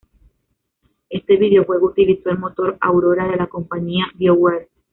Este videojuego utiliza el motor aurora de la compañía BioWare.